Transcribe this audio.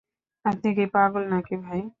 আপনি কি পাগল নাকি ভাই?